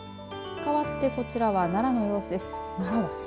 かわってこちらは奈良の様子です。